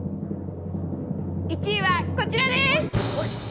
１位はこちらです！